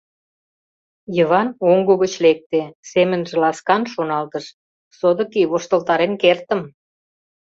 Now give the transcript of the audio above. Йыван оҥго гыч лекте, семынже ласкан шоналтыш: «Содыки воштылтарен кертым.